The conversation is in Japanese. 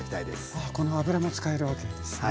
あこの油も使えるわけなんですね。